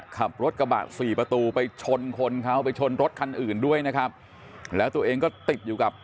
ขับรถกระบะสี่ประตูไปชนคนเขาไปชนรถคันอื่นด้วยนะครับแล้วตัวเองก็ติดอยู่กับ